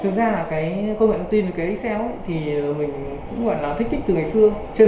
thực ra là cái công nghệ thông tin với cái excel thì mình cũng gọi là thích thích từ ngày xưa trên